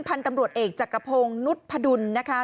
พันธุ์ตำรวจเอกจักรพงศ์นุษย์พดุลนะคะ